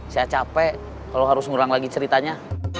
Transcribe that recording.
saya capek kalau harus ngurang lagi ceritanya